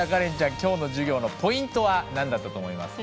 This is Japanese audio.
今日の授業のポイントは何だったと思いますか？